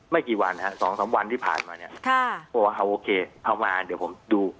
ไม่กี่วันฮะสองสามวันที่ผ่านมาเนี่ยค่ะบอกว่าเอาโอเคเอามาเดี๋ยวผมดู